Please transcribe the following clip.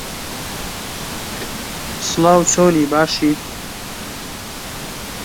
ئیجازەی چوونە لوبنانی سیلدارانیش بە دەست ئەو بوو